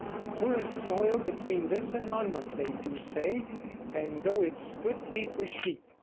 The poorest soil between this and Monmouth, they do say, though it's good feed for sheep.